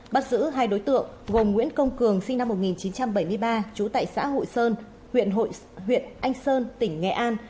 bắt giữ hai đối tượng gồm nguyễn công cường sinh năm một nghìn chín trăm bảy mươi ba trú tại xã hội sơn huyện anh sơn tỉnh nghệ an